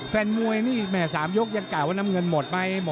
แฟนมวยแหม๓ยกยังกะว่าน้ำเงินหมดไหม